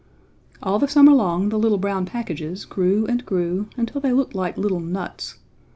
All the summer long the little brown packages grew and grew until they looked like little nuts.